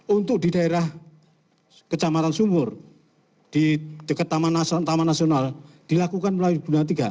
untuk di daerah kecamatan sumur di dekat taman nasional dilakukan melalui bunda tiga